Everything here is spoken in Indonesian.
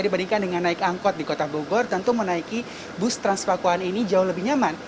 dibandingkan dengan naik angkot di kota bogor tentu menaiki bus transpakuan ini jauh lebih nyaman